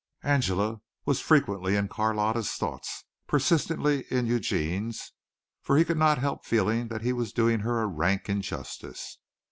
Angela was frequently in Carlotta's thoughts, persistently in Eugene's, for he could not help feeling that he was doing her a rank injustice.